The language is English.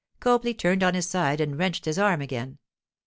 Copley turned on his side and wrenched his arm again.